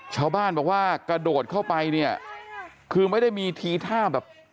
ชาวบ้านบอกว่ากระโดดเข้าไปเนี่ยคือไม่ได้มีทีท่าแบบ